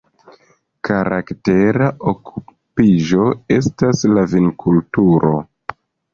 Karaktera okupiĝo estas la vinkulturo.